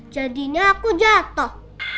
jadinya aku jatuh